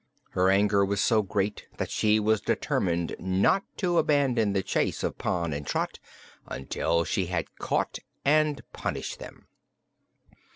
Her anger was so great that she was determined not to abandon the chase of Pon and Trot until she had caught and punished them.